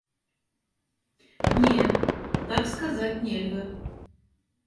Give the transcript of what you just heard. Не, так сказаць нельга.